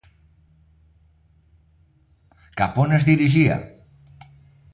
Cap a on es dirigia?